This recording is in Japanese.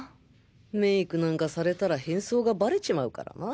メイクなんかされたら変装がバレちまうからな